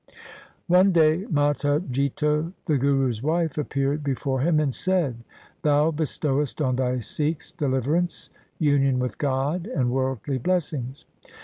One day Mata Jito, the Guru's wife, appeared before him and said, ' Thou bestowest on thy Sikhs deliverance, union with God, and worldly blessings.